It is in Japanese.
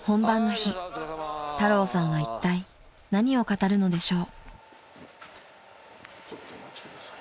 ［太郎さんはいったい何を語るのでしょう？］